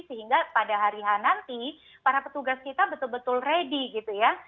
sehingga pada hari h nanti para petugas kita betul betul ready gitu ya